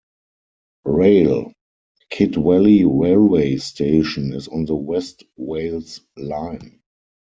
Rail - Kidwelly railway station is on the West Wales Line.